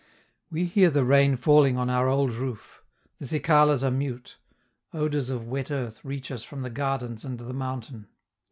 We hear the rain falling on our old roof; the cicalas are mute; odors of wet earth reach us from the gardens and the mountain.